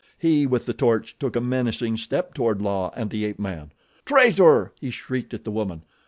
He with the torch took a menacing step toward La and the ape man. "Traitor!" He shrieked at the woman.